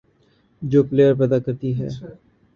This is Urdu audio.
جو پلئیر پیدا کرتی ہے،